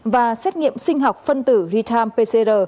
và xét nghiệm sinh học phân tử retime pcr